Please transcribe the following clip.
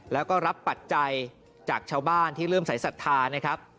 แล้วก็รับปัจจัยจากชาวบ้านที่เริ่มสายศรัทธานะครับ